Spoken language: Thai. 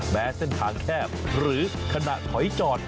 แม้เส้นทางแคบหรือขณะถอยจอด